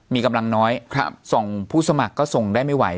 มีกำลังน้อยส่งผู้สมัครก็ส่งได้ไม่ไหว